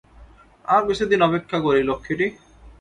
আর কিছু দিন অপেক্ষা করি লক্ষ্মীটি।